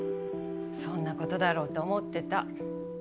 そんなことだろうと思ってた。